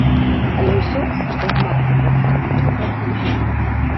Але ўсё, што змаглі заплаціць, мы заплацілі ўсім.